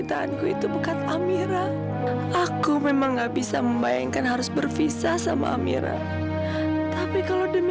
aku sekarang ngerasa kau sikap apa mulai aneh ben